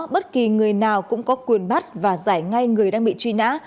bất kỳ người nào cũng có quyền bắt và giải ngay người đang bị truy nã